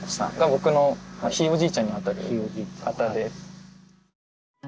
僕のひいおじいちゃんにあたる方で。